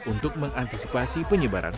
untuk mengantisipasi penyelidikan